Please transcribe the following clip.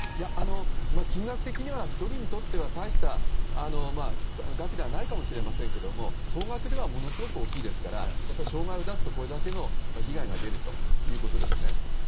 金額的には１人にとっては大した額ではないかもしれませんが総額ではものすごく大きいですから障害を出すと、これだけの被害が出るということですね。